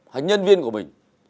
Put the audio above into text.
hoặc nhân viên của mình